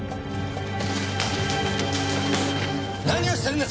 何をしてるんだ！？